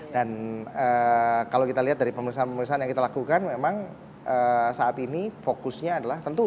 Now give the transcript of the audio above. dan kalau kita lihat dari pemeriksaan pemeriksaan yang kita lakukan memang saat ini fokusnya adalah tentu semua